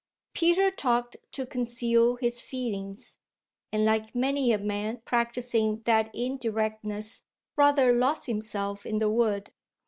Peter talked to conceal his feelings, and, like many a man practising that indirectness, rather lost himself in the wood.